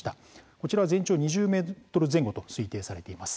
こちらは全長は２０ｍ前後と推定されています。